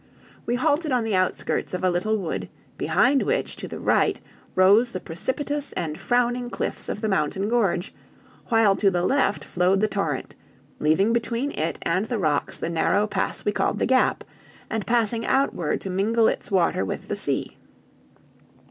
We halted on the outskirts of a little wood, behind which, to the right, rose the precipitous and frowning cliffs of the mountain gorge, while to the left flowed the torrent, leaving between it and the rocks the narrow pass we called the Gap, and passing outward to mingle its water with the sea.